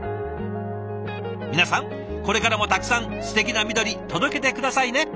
皆さんこれからもたくさんすてきな緑届けて下さいね！